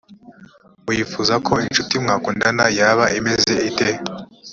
wifuza ko incuti mwakundana yaba imeze ite?